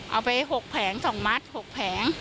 เอาไป๖แผง๒มัด๖แผง